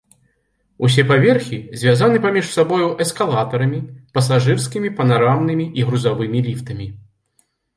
Усе паверхі звязаны паміж сабой эскалатарамі, пасажырскімі, панарамнымі і грузавымі ліфтамі.